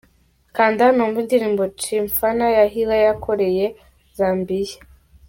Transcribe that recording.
Kanda hano wumve indirimbo Chimfana ya Hila yakoreye Zambia.